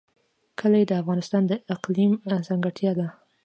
کلي د افغانستان د اقلیم ځانګړتیا ده.